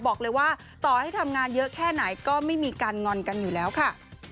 บอกเลยว่าต่อให้ทำงานเยอะแค่ไหนก็ไม่มีการงอนกันอยู่แล้วค่ะ